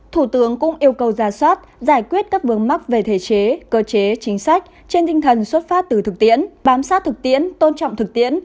thủ tướng cũng yêu cầu ra soát giải quyết các vướng mắc về thể chế cơ chế chính sách trên tinh thần xuất phát từ thực tiễn bám sát thực tiễn tôn trọng thực tiễn